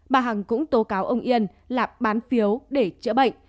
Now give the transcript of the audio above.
bà hằng cũng tố cáo ông yên là bán phiếu để chữa bệnh